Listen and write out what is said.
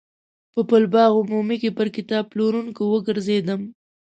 په پل باغ عمومي کې پر کتاب پلورونکو وګرځېدم.